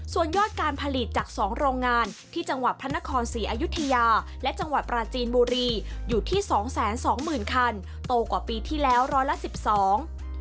ส่วนยอดการผลิตจาก๒โรงงานที่จังหวัดพระนครศรีอยุธยาและจังหวัดปราจีนบุรีอยู่ที่๒๒๐๐๐๐๐คันโตกว่าปีที่แล้ว๑๑๒คัน